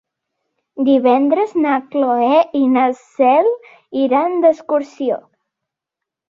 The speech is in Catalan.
Divendres na Cloè i na Cel iran d'excursió.